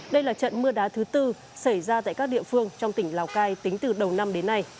đây là trận mưa đá thứ tư xảy ra tại các địa phương trong tỉnh lào cai tính từ đầu năm đến nay